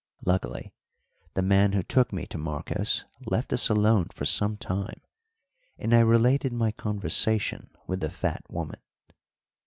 Luckily the man who took me to Marcos left us alone for some time, and I related my conversation with the fat woman.